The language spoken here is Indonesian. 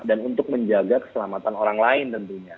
dan untuk menjaga keselamatan orang lain tentunya